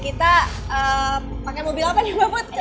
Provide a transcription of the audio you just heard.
kita pakai mobil apa nih mbak putri